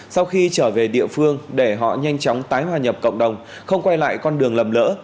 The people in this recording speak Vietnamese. sau khi trở về địa phương để họ nhanh chóng tái hòa nhập cộng đồng không quay lại con đường lầm lỡ